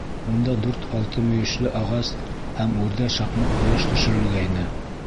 Унда дүрт алты мөйөшлө ағас һәм үрҙә шаҡмаҡ ҡояш төшөрөлгәйне.